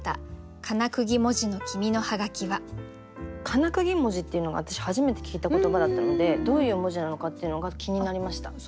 「かなくぎ文字」っていうのが私初めて聞いた言葉だったのでどういう文字なのかっていうのが気になりました。